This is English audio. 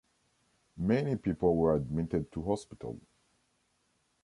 Many people were admitted to hospital.